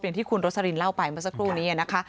อย่างที่คุณโรสลินเล่าไปเมื่อสักครู่นี้นะคะ